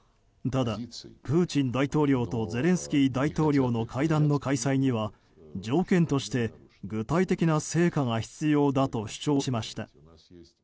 ただ、プーチン大統領とゼレンスキー大統領の会談の開催には条件として具体的な成果が必要だと主張しました。